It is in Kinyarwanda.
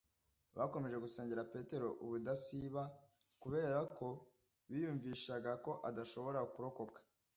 Bakomeje gusengera Petero ubudasiba kubera ko biyumvishaga ko adshobora kurokoka.